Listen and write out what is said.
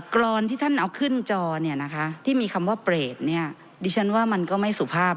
รอนที่ท่านเอาขึ้นจอเนี่ยนะคะที่มีคำว่าเปรตเนี่ยดิฉันว่ามันก็ไม่สุภาพ